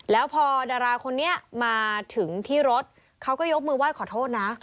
แล้วพอดาราคนนี้มาถึงที่รถเขาก็ยกมือไหว้ขอโทษนะ